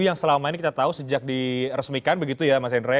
yang selama ini kita tahu sejak diresmikan begitu ya mas hendra